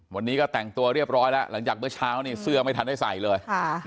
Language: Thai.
วันนี้ก็แต่งตัวเรียบร้อยแล้วหลังจากเมื่อเช้าเสื้อไม่ทันได้ใส่เลย